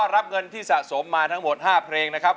รับเงินที่สะสมมาทั้งหมด๕เพลงนะครับ